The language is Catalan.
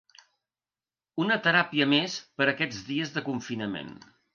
Una teràpia més per a aquests dies de confinament.